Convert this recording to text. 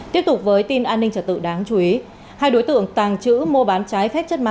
tiếp tục với tin an ninh trật tự đáng chú ý hai đối tượng tàng trữ mô bán trái phép chất ma